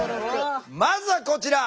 まずはこちら！